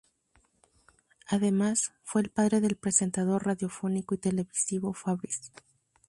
Además, fue el padre del presentador radiofónico y televisivo Fabrice.